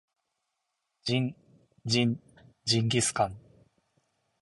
ジンジンジンギスカン